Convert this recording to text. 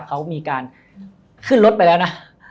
เขามีการขึ้นรถไปแล้วนะ